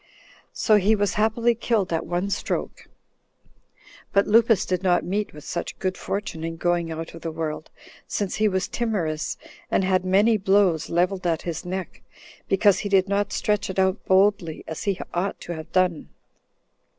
15 So he was happily killed at one stroke. But Lupus did not meet with such good fortune in going out of the world, since he was timorous, and had many blows leveled at his neck, because he did not stretch it out boldly [as he ought to have done].